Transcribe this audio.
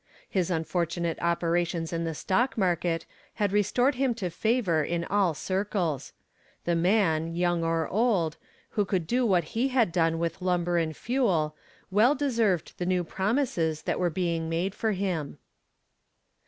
His unfortunate operations in the stock market had restored him to favor in all circles. The man, young or old, who could do what he had done with Lumber and Fuel well deserved the new promises that were being made for him.